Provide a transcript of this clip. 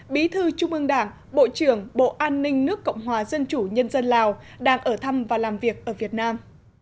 bí thư trung ương đảng bộ trưởng bộ an ninh nước cộng hòa dân chủ nhân dân lào đang ở thăm và làm việc ở việt nam